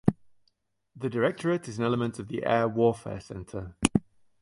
The directorate is an element of the Air Warfare Centre.